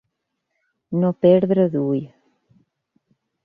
No perdre d'ull.